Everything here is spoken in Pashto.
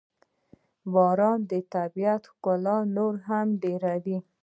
• باران د طبیعت ښکلا نوره هم ډېروي.